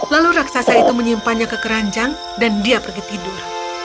lalu raksasa itu menyimpannya ke keranjang dan dia pergi tidur